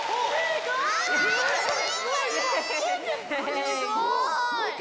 すごい！